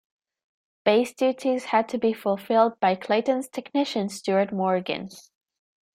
Bass duties had to be fulfilled by Clayton's technician Stuart Morgan.